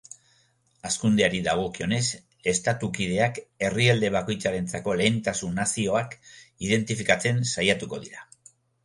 Hazkundeari dagokionez, estatu kideak herrialde bakoitzarentzako lehentasun nazionak identifikatzen saiatuko dira.